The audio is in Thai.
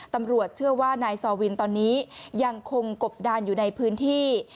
ตำรวจเชื่อว่านายซอวินตอนนี้ยังคงกบดานอยู่ในพื้นที่